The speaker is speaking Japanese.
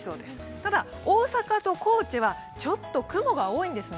ただ、大阪と高知はちょっと雲が多そうなんですね。